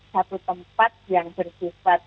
satu tempat yang bersifat